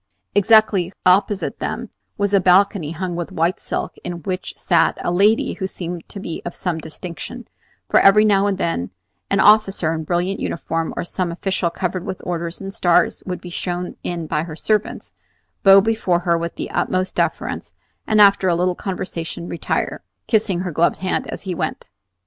Exactly opposite them was a balcony hung with white silk, in which sat a lady who seemed to be of some distinction; for every now and then an officer in brilliant uniform, or some official covered with orders and stars, would be shown in by her servants, bow before her with the utmost deference, and after a little conversation retire, kissing her gloved hand as he went.